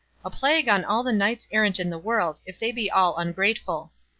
A plague on all the knights errant in the world, if they be all ungrateful!